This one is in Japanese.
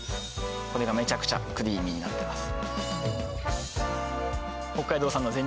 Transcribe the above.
これがめちゃくちゃクリーミーになってます